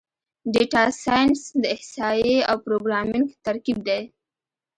ډیټا سایننس د احصایې او پروګرامینګ ترکیب دی.